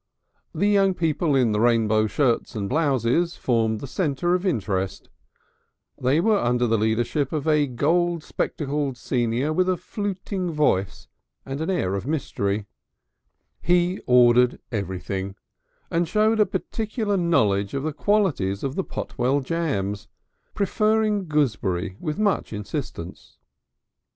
The young people in the rainbow shirts and blouses formed the centre of interest; they were under the leadership of a gold spectacled senior with a fluting voice and an air of mystery; he ordered everything, and showed a peculiar knowledge of the qualities of the Potwell jams, preferring gooseberry with much insistence.